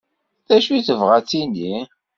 Dacu tebɣa ad tini?